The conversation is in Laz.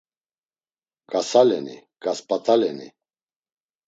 Gasaleni, gasp̌at̆aleni?